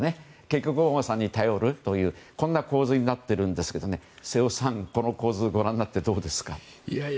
結局、オバマさんに頼るという、こんな構図になっているんですけど瀬尾さん、この構図をご覧になってどうですか？